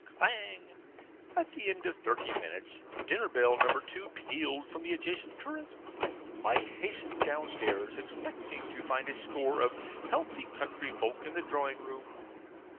Clang! At the end of thirty minutes, dinner bell number two pealed from the adjacent turret. I hastened downstairs, expecting to find a score of healthy country folk in the drawing room.